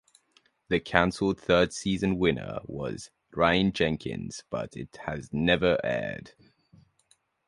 The canceled third season winner was Ryan Jenkins, but it has never aired.